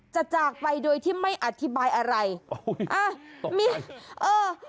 จากไปโดยที่ไม่อธิบายอะไรโอ้ยอ่ะมีเออ